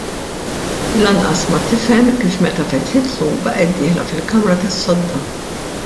Lanqas ma tifhem kif meta fetħitlu baqgħet dieħla fil-kamra tas-sodda.